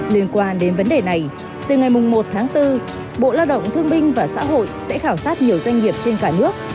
liên quan đến vấn đề này từ ngày một tháng bốn bộ lao động thương binh và xã hội sẽ khảo sát nhiều doanh nghiệp trên cả nước